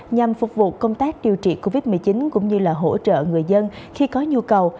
nhằm phục vụ công tác điều trị covid một mươi chín cũng như là hỗ trợ người dân khi có nhu cầu